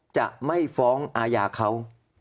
จะไม่ฟ้องอาญาเขา